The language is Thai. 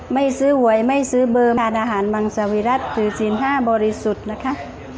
ไม่ซื้อหวยไม่ซื้อเบอร์ทานอาหารมังสวิรัติถือศีล๕บริสุทธิ์นะคะ